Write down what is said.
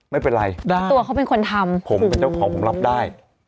ไม่เป็นไรตัวเขาเป็นคนทำผมเป็นเจ้าของผมรับได้